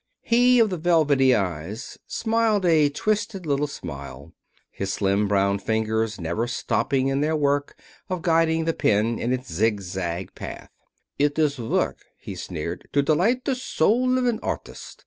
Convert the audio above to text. He of the velvety eyes smiled a twisted little smile. His slim brown fingers never stopped in their work of guiding the pen in its zigzag path. "It is work," he sneered, "to delight the soul of an artist.